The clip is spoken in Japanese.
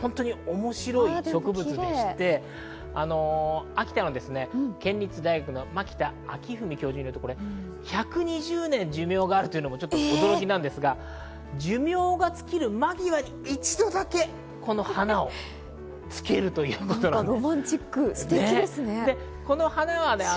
スズタケが面白い植物でして、秋田なんですが、県立大学の薪田教授によりますと、１２０年寿命があるというのも驚きなんですが寿命が尽きる間際に一度だけこの花をつけるということで。